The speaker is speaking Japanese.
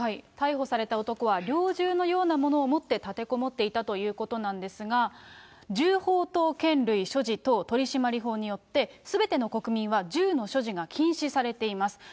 逮捕された男は猟銃のようなものを持って立てこもっていたということなんですが、銃砲刀剣類所持等取締法によって、すべての国民は銃の所持が禁止されています。